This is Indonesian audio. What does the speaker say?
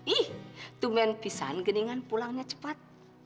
ih tumen pisahan geningan pulangnya cepat